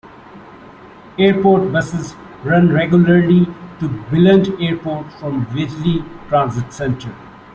Airport buses run regularly to Billund Airport from Vejle Transit Centre.